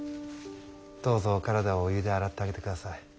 どうぞお体をお湯で洗ってあげてください。